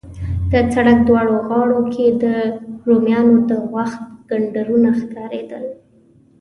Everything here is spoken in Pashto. د سړک دواړو غاړو کې د رومیانو د وخت کنډرونه ښکارېدل.